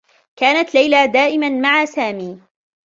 كانت ليلى دائما مع سامي.